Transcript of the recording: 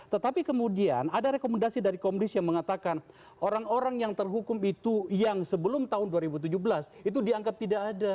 tetapi kemudian ada rekomendasi dari komdis yang mengatakan orang orang yang terhukum itu yang sebelum tahun dua ribu tujuh belas itu dianggap tidak ada